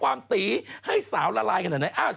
จากกระแสของละครกรุเปสันนิวาสนะฮะ